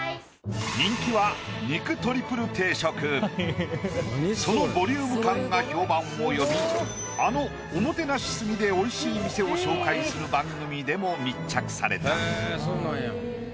人気はそのボリューム感が評判を呼びあのおもてなし過ぎでおいしい店を紹介する番組でも密着された。